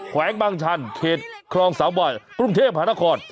แขวงบางชันเครียดคลองสาวบ่ายปรุงเทพธนาคอร์